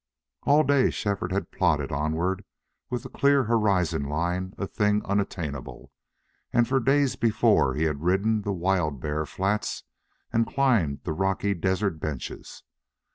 All day Shefford had plodded onward with the clear horizon line a thing unattainable; and for days before that he had ridden the wild bare flats and climbed the rocky desert benches.